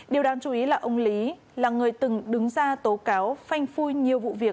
điều đáng chú ý là ông lý là người từng đứng ra tố cáo phanh phui nhiều vụ việc